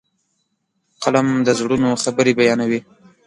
قلم د زړونو خبرې بیانوي.